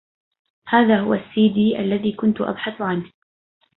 هذا هو السي دي الذي كنت أبحث عنه.